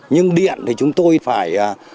nhưng điện thì chúng tôi phải